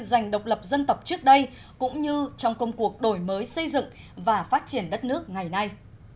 dành độc lập dân tộc trước đây cũng như trong công cuộc đổi mới xây dựng và phát triển đất nước ngày nay